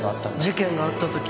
事件があったとき